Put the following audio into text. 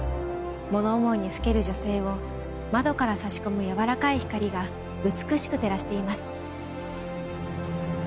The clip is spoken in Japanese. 物思いにふける女性を窓から差し込むやわらかい光が美しく照らしています。